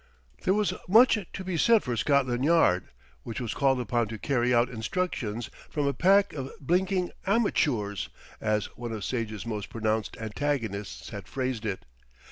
There was much to be said for Scotland Yard, which was called upon to carry out instructions from "a pack of blinking amachoors," as one of Sage's most pronounced antagonists had phrased it.